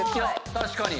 確かに。